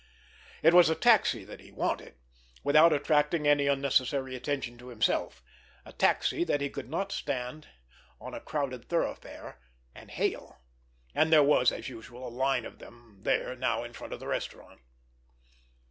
It was a taxi that he wanted—without attracting any unnecessary attention to himself—a taxi that he could not stand on a crowded thoroughfare and hail—and there was, as usual, a line of them there now in front of the restaurant.